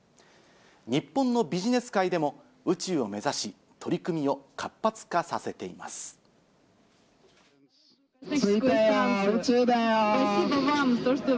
日本のビジネス界でも、宇宙を目指し、取り組みを活発化させてい着いたよ！